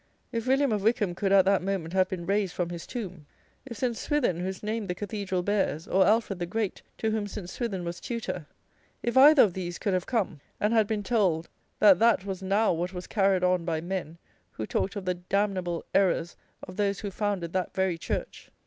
If William of Wykham could, at that moment, have been raised from his tomb! If Saint Swithin, whose name the cathedral bears, or Alfred the Great, to whom St. Swithin was tutor: if either of these could have come, and had been told, that that was now what was carried on by men, who talked of the "damnable errors" of those who founded that very church!